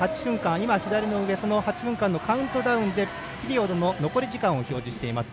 画面左上で８分間のカウントダウンピリオドの残り時間を表示しています。